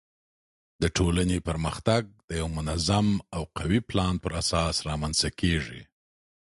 د ټولنې پرمختګ د یوه منظم او قوي پلان پر اساس رامنځته کیږي.